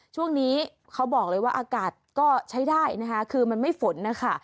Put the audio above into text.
ช่วงนี้เขาบอกเลยว่าอากาศก็ใช้ได้นะคะคือมันไม่ฝนนะคะ